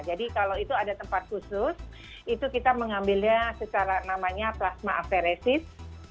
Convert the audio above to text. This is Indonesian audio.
jadi kalau itu ada tempat khusus itu kita mengambilnya secara namanya plasma aferesis